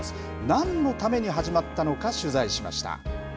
なんのために始まったのか取材しました。